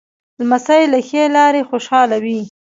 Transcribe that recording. لمسی له ښې لاره خوشحاله وي.